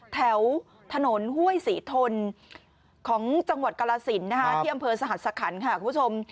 แถวถนนห้วยศรีทนของจังหวัดกรสินที่อำเภอสหัสสะขันค่ะคุณผู้ชม